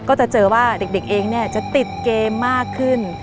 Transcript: ก็จะเจอว่าเด็กเองเนี่ยจะติดเกมมากขึ้น